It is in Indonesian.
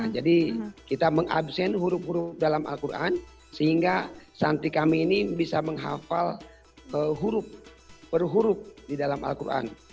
jadi kita mengabsen huruf huruf dalam al quran sehingga santri kami ini bisa menghafal huruf per huruf di dalam al quran